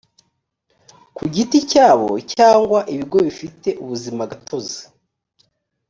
ku giti cyabo cyangwa ibigo bifite ubuzimagatozi